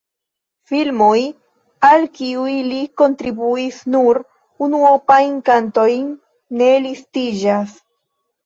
Filmoj, al kiuj li kontribuis nur unuopajn kantojn, ne listiĝas.